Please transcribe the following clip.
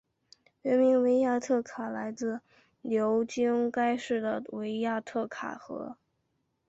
原名维亚特卡来自流经该市的维亚特卡河。